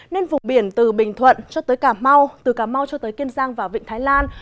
nên vùng biển từ bình thuận cho tới cà mau từ cà mau cho tới kiên giang và vịnh thái lan